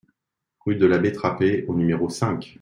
Rue de l'Abbé Trapet au numéro cinq